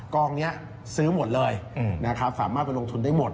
กองนี้ซื้อหมดเลยนะครับสามารถไปลงทุนได้หมด